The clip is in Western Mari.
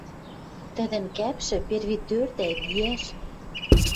Тӹдӹн кӓпшӹ, перви тӧр дӓ виӓш